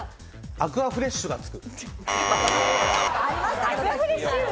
アクアフレッシュが付く。